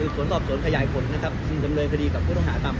สวนสอบสวนขยายผลนะครับจึงดำเนินคดีกับผู้ต้องหาตาม